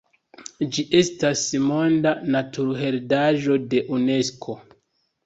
Ĝi estas Monda Naturheredaĵo de Unesko.